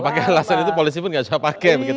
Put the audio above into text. kalau pakai alasan itu polisi pun enggak usah pakai begitu